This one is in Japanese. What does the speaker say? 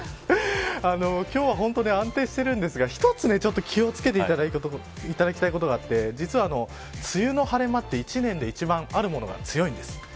今日は本当に安定しているんですが一つ、気を付けていただきたいことがあって実は、梅雨の晴れ間って１年で一番あるものが強いんです。